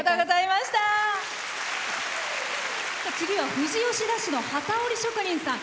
次は富士吉田市の機織り職人さん。